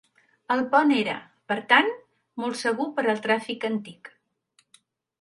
El pont era, per tant, molt segur per al tràfic antic.